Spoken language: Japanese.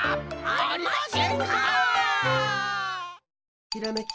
ありませんか！